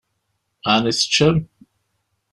Ɛni teččam?